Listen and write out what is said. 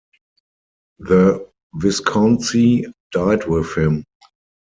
The viscountcy died with him.